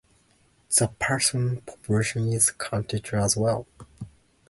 The prison population is counted as well.